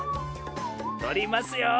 とりますよ。